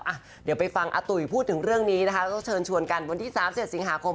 อ่ะเดี๋ยวไปฟังอาตุ๋ยพูดถึงเรื่องนี้นะคะต้องเชิญชวนกันวันที่สามเจ็ดสิงหาคม